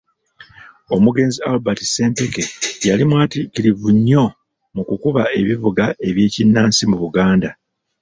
Omugenzi Albert Ssempeke yali mwatiikirivu nnyo mu kukuba ebivuga eby’ekinnansi mu Buganda.